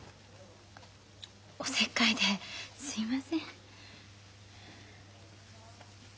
おせっかいですいません。